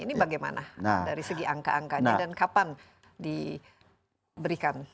ini bagaimana dari segi angka angkanya dan kapan diberikan